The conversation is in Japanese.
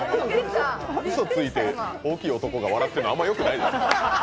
うそついて大きい男が笑ってるの、あまりよくないです。